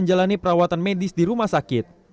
menjalani perawatan medis di rumah sakit